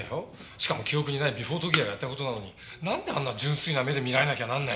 しかも記憶にないビフォー時矢がやった事なのになんであんな純粋な目で見られなきゃなんないんだよ。